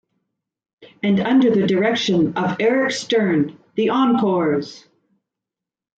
And under the direction of Eric Stern, the Encores!